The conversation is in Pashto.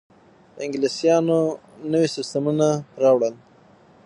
انګلیسانو نوي سیستمونه راوړل.